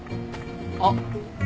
あっ。